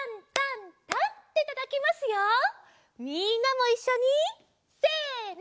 みんなもいっしょにせの！